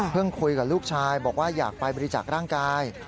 เพิ่งคุยกับลูกชายบอกว่าอยากไปบริจักษ์ร่างกาย